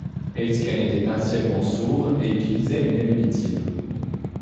Aitken était partiellement sourd et utilisait une aide auditive.